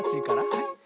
はい。